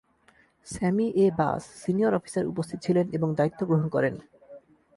স্যামি এ. বাস, senior officer উপস্থিত ছিলেন এবং দায়িত্ব গ্রহণ করেন।